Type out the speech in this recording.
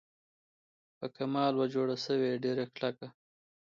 په کمال وه جوړه سوې ډېره کلکه